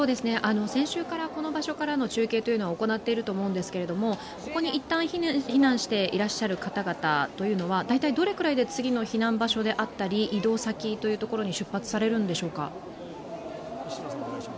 先週からこの場所からの中継は行っていると思うんですけれども、ここにいったん避難していらっしゃる方々というのは大体どれくらいで次の避難場所であったり移動先に出発されるんでしょうか？